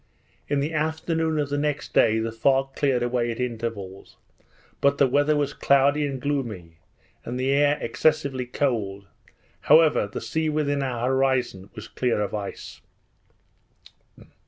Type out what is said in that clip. In the afternoon of the next day the fog cleared away at intervals; but the weather was cloudy and gloomy, and the air excessively cold; however, the sea within our horizon was clear of ice.